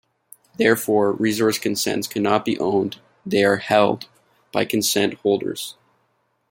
Therefore, resource consents cannot be 'owned'; they are 'held' by 'consent holders'.